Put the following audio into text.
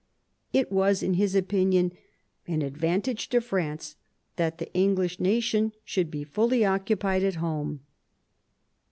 It was in his opinion an advantage to France that the English nation should be fully occupied at home.